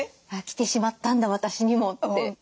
来てしまったんだ私にもって。